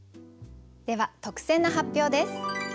では特選の発表です。